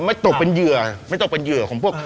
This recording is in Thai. ตกเป็นเหยื่อไม่ต้องเป็นเหยื่อของพวก